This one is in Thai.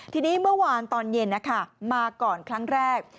ทีนี้เมื่อวานตอนเย็นมาก่อนครั้งแรก